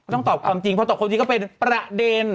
ต้องตอบความจริงเพราะตอบความจริงก็เป็นประเด็น